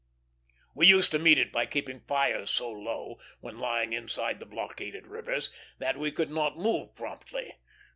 We used to meet it by keeping fires so low, when lying inside the blockaded rivers, that we could not move promptly.